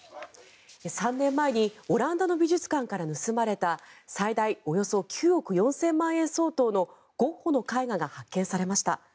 ３年前にオランダの美術館から盗まれた最大およそ９億４０００万円相当のゴッホの絵画が発見されました。